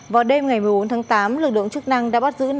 vào đêm ngày một mươi bốn tháng tám lực lượng chức năng đã bắt giữ